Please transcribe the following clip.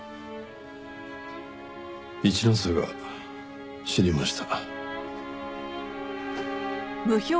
一之瀬が死にました。